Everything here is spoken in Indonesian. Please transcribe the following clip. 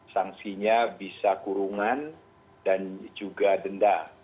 sanksinya bisa kurungan dan juga denda